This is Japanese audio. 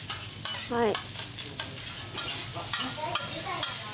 はい。